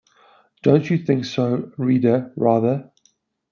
Don't you think so, reader, rather